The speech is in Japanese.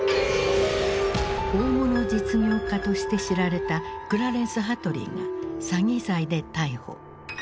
大物実業家として知られたクラレンス・ハトリーが詐欺罪で逮捕。